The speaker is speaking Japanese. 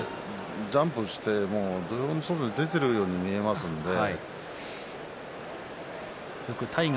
ジャンプして土俵の外に出ているように見えますからね。